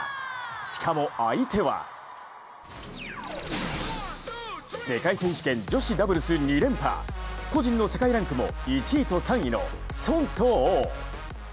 しかも相手は世界選手権女子ダブルス２連覇、個人の世界ランクも１位と３位の孫と王。